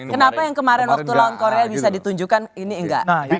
kenapa yang kemarin waktu lawan korea bisa ditunjukkan ini enggak